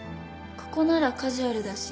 ここならカジュアルだし。